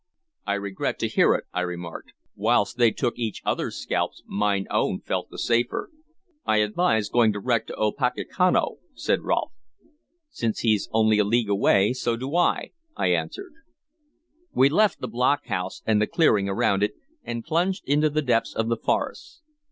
"I regret to hear it," I remarked. "Whilst they took each other's scalps, mine own felt the safer." "I advise going direct to Opechancanough," said Rolfe. "Since he's only a league away, so do I," I answered. We left the block house and the clearing around it, and plunged into the depths of the forest.